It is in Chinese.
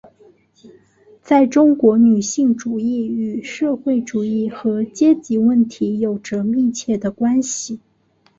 在中国女性主义与社会主义和阶级问题有着密切的关系。